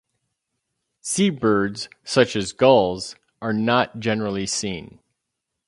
Seabirds such as gulls are not generally seen.